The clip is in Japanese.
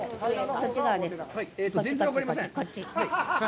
こっち？